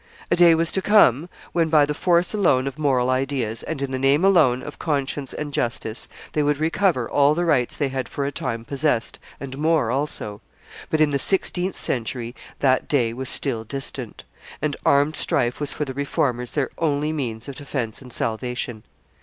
A day was to come, when, by the force alone of moral ideas, and in the name alone of conscience and justice, they would recover all the rights they had for a time possessed, and more also; but in the sixteenth century that day was still distant, and armed strife was for the Reformers their only means of defence and salvation.